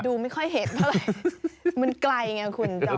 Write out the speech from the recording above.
ดูไม่ค่อยเห็นมันไกลไงคุณจร